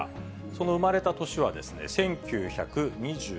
その生まれた年は１９２６年。